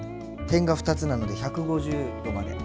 点が２つなので１５０℃まで。